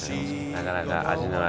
なかなか味のある。